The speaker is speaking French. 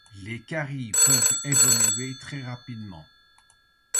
Les caries peuvent évoluer très rapidement.